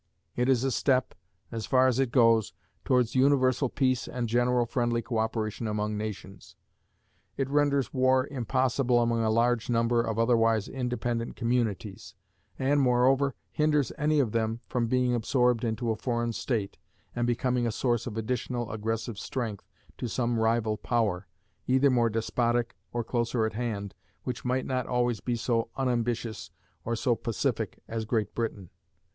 It is a step, as far as it goes, towards universal peace and general friendly co operation among nations. It renders war impossible among a large number of otherwise independent communities, and, moreover, hinders any of them from being absorbed into a foreign state, and becoming a source of additional aggressive strength to some rival power, either more despotic or closer at hand, which might not always be so unambitious or so pacific as Great Britain.